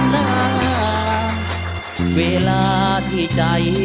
แล้วงาน